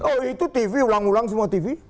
oh itu tv ulang ulang semua tv